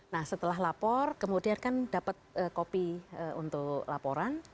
nah setelah lapor kemudian kan dapat kopi untuk laporan